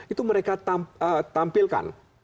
itu mereka tampilkan